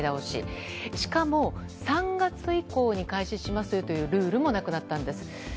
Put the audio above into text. しかも３月以降に開始しますよというルールもなくなったんです。